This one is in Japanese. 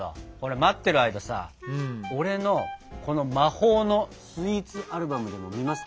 待ってる間さ俺のこの魔法のスイーツアルバムでも見ますか？